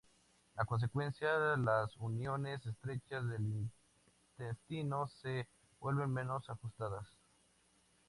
A consecuencia, las uniones estrechas del intestino se vuelven menos ajustadas.